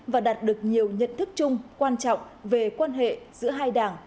và đạt được nhiều nhận thức chung quan trọng về quan hệ giữa hai đảng